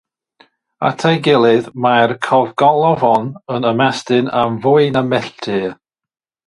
At ei gilydd, mae'r cofgolofn yn ymestyn am fwy na milltir.